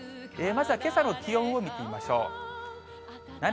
まずはけさの気温を見てみましょう。